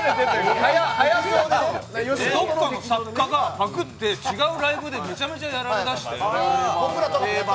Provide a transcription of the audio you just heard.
どっかの作家がパクって違うライブでめちゃめちゃやられ出して。